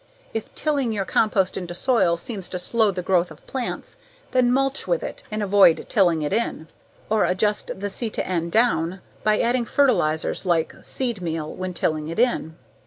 If tilling your compost into soil seems to slow the growth of plants, then mulch with it and avoid tilling it in, or adjust the C/N down by adding fertilizers like seed meal when tilling it in.